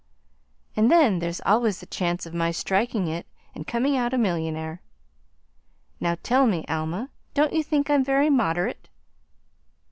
And then there's always the chance of my striking it and coming out a millionaire. Now tell me, Alma, don't you think I'm very moderate?"